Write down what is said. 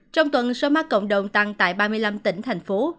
trong tuần số ma cộng đồng tăng tại ba mươi năm tỉnh thành phố